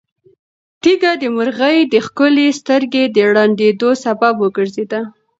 تیږه د مرغۍ د ښکلې سترګې د ړندېدو سبب وګرځېده.